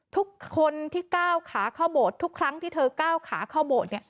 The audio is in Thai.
ทุกคนที่ก้าวขาเข้าโบสถ์ทุกครั้งที่เธอก้าวขาเข้าโบสถ์เนี่ย